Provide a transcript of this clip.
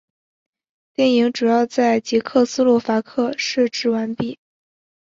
电影主要在捷克斯洛伐克摄制完成。